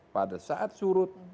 pada saat surut